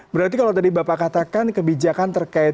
berarti kalau tadi bapak katakan kebijakan terkait